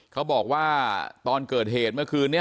เขาบอกว่าตอนเกิดเหตุเมื่อคืนนี้